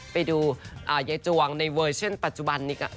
ไปดูยายจวงในเวอร์เชียลปัจจุบันดีกว่านะฮะ